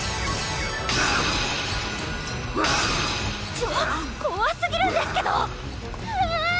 ちょっこわすぎるんですけどひえ！